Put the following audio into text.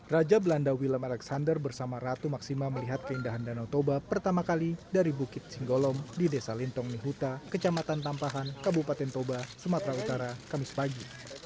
raja belanda willem alexander bersama ratu maksima melihat keindahan danau toba pertama kali dari bukit singgolom di desa lintong nihuta kecamatan tampahan kabupaten toba sumatera utara kamis pagi